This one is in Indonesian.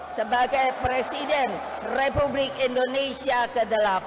sebagai presiden republik indonesia ke delapan